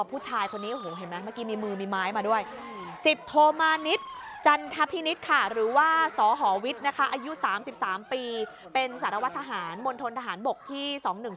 ๓๓ปีเป็นศาลวัฒนธ์ทหารมณฑลทหารบกที่๒๑๐